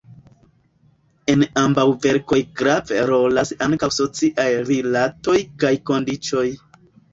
En ambaŭ verkoj grave rolas ankaŭ sociaj rilatoj kaj kondiĉoj.